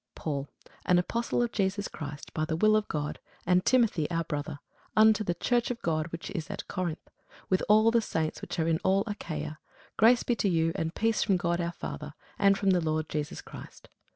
1] PAUL, an apostle of Jesus Christ by the will of God, and Timothy our brother, unto the church of God which is at Corinth, with all the saints which are in all Achaia: grace be to you and peace from God our Father, and from the Lord Jesus Christ.